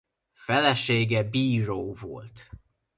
Felesége bíró volt.